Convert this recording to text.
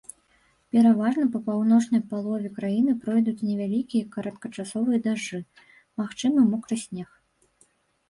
Пераважна па паўночнай палове краіны пройдуць невялікія кароткачасовыя дажджы, магчымы мокры снег.